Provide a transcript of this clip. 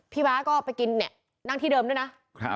พี่ม้าก็ไปกินนั่งที่เดิมด้วยนะ